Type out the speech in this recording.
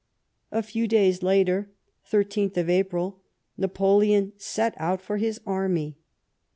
* A few days later, loth April, Napoleon set out for his army.